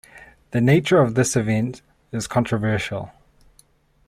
The nature of this event is controversial.